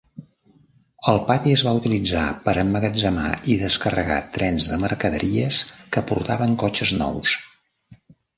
El pati es va utilitzar per emmagatzemar i descarregar trens de mercaderies que portaven cotxes nous.